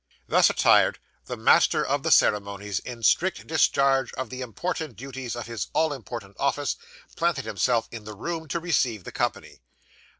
Thus attired, the Master of the Ceremonies, in strict discharge of the important duties of his all important office, planted himself in the room to receive the company.